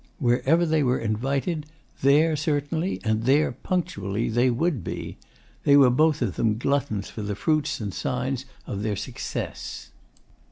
Wherever they were invited, there certainly, there punctually, they would be. They were both of them gluttons for the fruits and signs of their success.